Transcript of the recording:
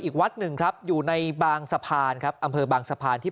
อีกวัดหนึ่งครับอยู่ในบางสะพานครับอำเภอบางสะพานที่